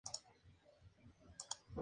Fue enterrado en Suhl.